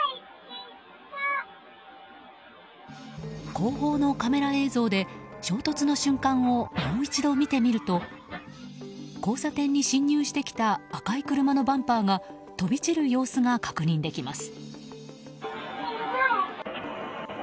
後方のカメラ映像で衝突の瞬間をもう一度見てみると交差点に進入してきた赤い車のバンパーが飛び散る様子が確認できます。